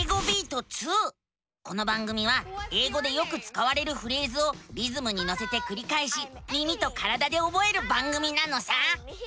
この番組は英語でよくつかわれるフレーズをリズムにのせてくりかえし耳と体でおぼえる番組なのさ！